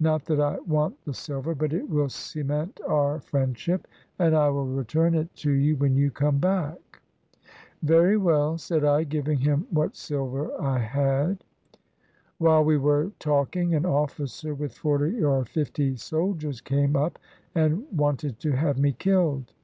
Not that I want the sil ver, but it will cement our friendship, and I will return it to you when you come back." "Very well,'^ said I, giving him what silver I had. While we were talking, an officer with forty or fifty soldiers came up and wanted to have me killed.